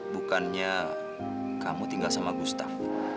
bukannya kamu tinggal sama gustaf